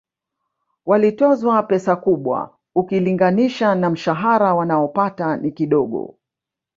Walitozwa pesa kubwa ukilinganisha na mshahara wanaopata ni kidogo